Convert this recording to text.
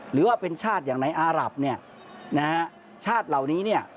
หรือว่าเป็นชาติอย่างในอารับเนี่ยนะฮะชาติเหล่านี้เนี่ย